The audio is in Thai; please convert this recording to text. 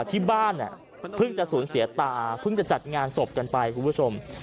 ที่บ้านเพิ่งจะสูญเสียตาเพิ่งจะจัดงานศพกันไปคุณผู้ชม